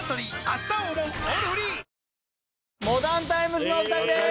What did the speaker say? モダンタイムスのお二人です！